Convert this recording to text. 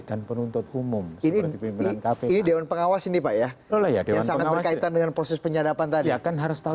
apa sini pak ya oleh adil sangat berkaitan dengan proses penyadapan tadi akan harus tahu